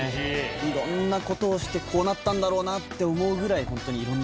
いろんなことをしてこうなったんだろうなって思うぐらいホントに。